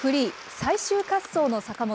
最終滑走の坂本。